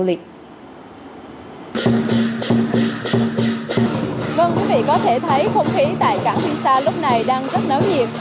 vâng quý vị có thể thấy không khí tại cảng huyên sa lúc này đang rất náo nhiệt